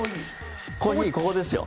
コーヒーここですよ。